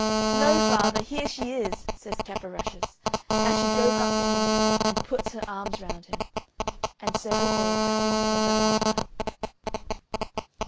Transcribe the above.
"No, father, here she is!" says Cap o' Rushes. And she goes up to him and puts her arms round him. And so they were happy ever after.